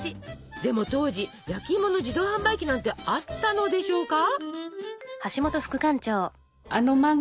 でも当時焼きいもの自動販売機なんてあったのでしょうか？